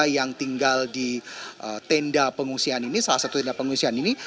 yang tinggal di tenda pengungsian ini salah satu tenda pengungsian ini